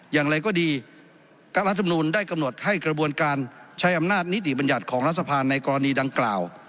อย่างไรก็ดีรัฐมนูลได้กำหนดให้กระบวนการใช้อำนาจนิติบัญญัติของรัฐสภาในกรณีดังกล่าว